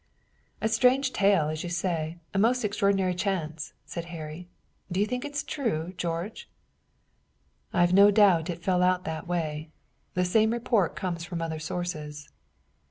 "A strange tale, as you say, a most extraordinary chance," said Harry. "Do you think it's true, George?" "I've no doubt it fell out that way. The same report comes from other sources."